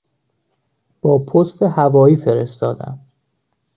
با پست هوایی فرستادم.